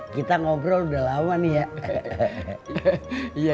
kita ngobrol udah lama nih ya